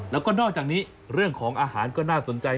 แล้วก็นอกจากนี้เรื่องของอาหารก็น่าสนใจ